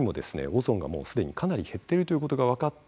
オゾンがもう既にかなり減ってるということが分かって